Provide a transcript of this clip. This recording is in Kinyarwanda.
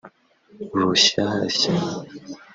rushyashya